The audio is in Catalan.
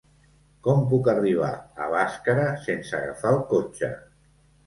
Com puc arribar a Bàscara sense agafar el cotxe?